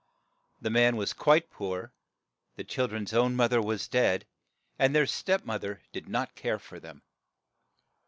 The man was quite poor. The chil dren's own moth er was dead, and their step moth er did not care for them.